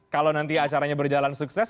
kalau nanti acaranya berjalan sukses